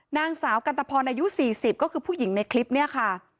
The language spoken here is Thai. นางสาวกันตะพรอายุ๔๐ก็คือผู้หญิงในคลิปนี้ค่ะ